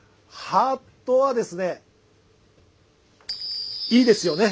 「ハートはいいですよね」。